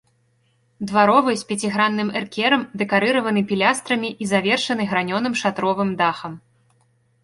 Дваровы з пяцігранным эркерам, дэкарыраваны пілястрамі і завершаны гранёным шатровым дахам.